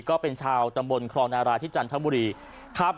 ก็เป็นชาวตำบลที่จันทบุรีครับ